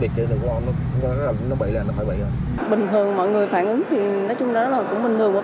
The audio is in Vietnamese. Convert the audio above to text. bình thường mọi người phản ứng thì nói chung đó là cũng bình thường